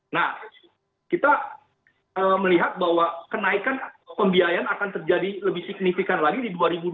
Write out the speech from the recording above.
nah kita melihat bahwa kenaikan pembiayaan akan terjadi lebih signifikan lagi di dua ribu dua puluh